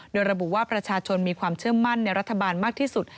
โดยระบุว่าประชาชนมีความเชื่อมั่นในรัฐบาลมากที่สุด